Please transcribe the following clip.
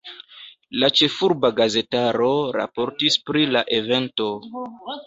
La ĉefurba gazetaro raportis pri la evento.